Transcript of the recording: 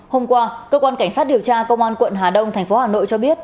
hôm qua cơ quan cảnh sát điều tra công an quận hà đông tp hà nội cho biết